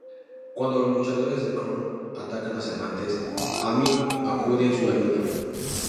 Cuando los luchadores de Crown atacan a Cervantes, Ami acude en su ayuda.